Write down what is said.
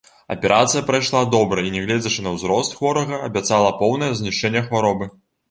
Аперацыя прайшла добра і, нягледзячы на ўзрост хворага, абяцала поўнае знішчэнне хваробы.